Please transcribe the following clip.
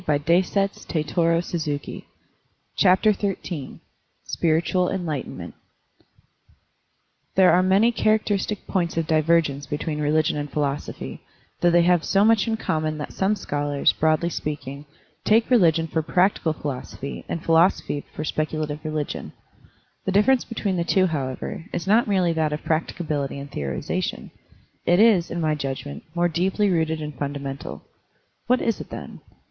— Dharmapada, 28. Digitized by Google SPIRITUAL ENLIGHTENMENT THERE are many characteristic points of divergence between religion and philosophy, though they have so much in common that some scholars, broadly speaking, take religion for practical philosophy and philosophy for speculative religion. The difference between the two, however, is not merely that of practicability and theorization. It is, in my judgment, more deeply rooted and fundamental. What is it, then?